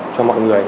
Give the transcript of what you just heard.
cho mọi người